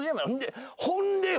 ほんでよ。